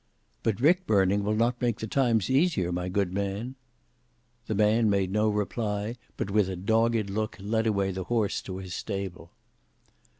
"But rick burning will not make the times easier, my good man." The man made no reply, but with a dogged look led away the horse to his stable.